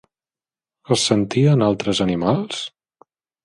Es sentien altres animals?